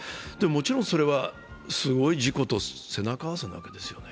もちろん、それは、すごい事故と背中合わせなわけですよね。